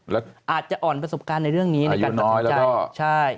แล้วอาจจะอ่อนประสบการณ์ในเรื่องนี้อายุน้อยแล้วก็ใช่